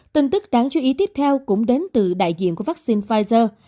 tin tức đáng chú ý tiếp theo cũng đến từ đại diện của vaccine pfizer